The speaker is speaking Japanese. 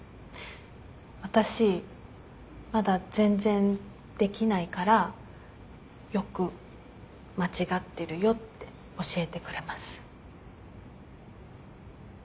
私まだ全然できないからよく「間違ってるよ」って教えてくれます。